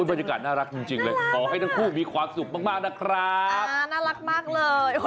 บรรยากาศน่ารักจริงเลยขอให้ทั้งคู่มีความสุขมากนะครับน่ารักมากเลย